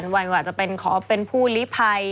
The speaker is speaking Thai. ว่าจะเป็นผู้บพลิไป